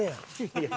いや